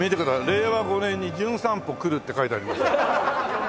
令和５年に『じゅん散歩』来るって書いてあります。